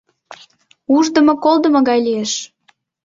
Уждымо-колдымо гай лиеш.